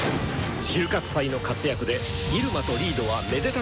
収穫祭の活躍で入間とリードはめでたく「４」に昇級した。